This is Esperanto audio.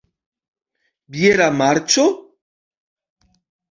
Biera marĉo?